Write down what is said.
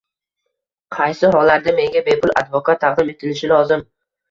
Qaysi hollarda menga bepul advokat taqdim etilishi lozim?